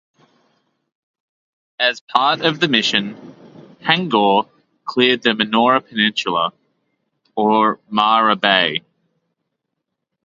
As part of the mission, "Hangor" cleared the Manora peninsula, Ormara Bay.